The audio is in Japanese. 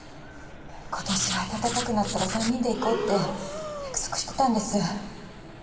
今年は暖かくなったら３人で行こうって約束してたんです。